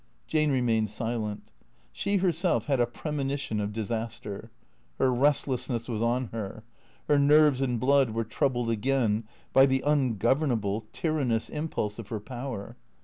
Jane remained silent. She herself had a premonition of dis aster. Her restlessness was on her. Her nerves and blood were troubled again by the ungovernable, tyrannous impulse of her power.